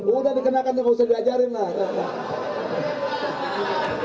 udah dikenakan nih gak usah diajarin lah